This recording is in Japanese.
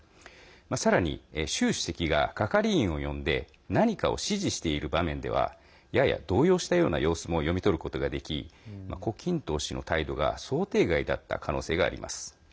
さらに習主席が係員を呼んで何かを指示している場面ではやや動揺したような様子も読み取ることができ胡錦涛氏の態度が想定外だった可能性があります。